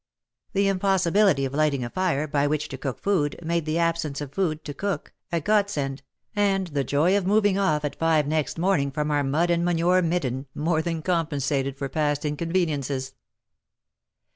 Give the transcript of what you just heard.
The impossibility of lighting a fire by which to cook food, made the absence of food to cook, a godsend, and the joy of moving off at five next morning from our mud and manure midden, more than compensated for past inconveniences.